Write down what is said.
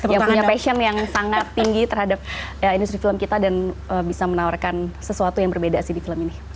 yang punya passion yang sangat tinggi terhadap industri film kita dan bisa menawarkan sesuatu yang berbeda sih di film ini